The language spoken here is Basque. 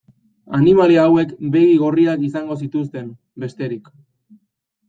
Animalia hauek begi gorriak izango zituzten, bestetik.